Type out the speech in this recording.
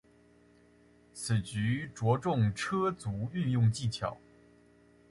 此局着重车卒运用技巧。